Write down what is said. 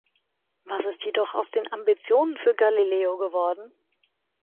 Was ist jedoch aus den Ambitionen für Galileo geworden?